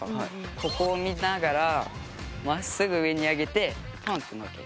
ここを見ながらまっすぐ上にあげてポンってのっける。